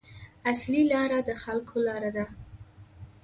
اصلي لاره د خلکو لاره ده.